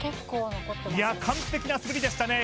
いや完璧な滑りでしたね